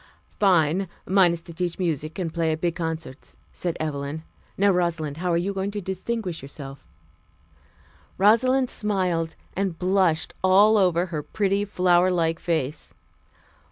"Fine! Mine is to teach music and play at big concerts," said Evelyn. "Now, Rosalind, how are you going to distinguish yourself?" Rosalind smiled and blushed all over her pretty flower like face.